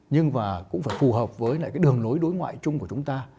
nhưng mà cũng phải phù hợp với lại cái đường lối đối ngoại chung của chúng ta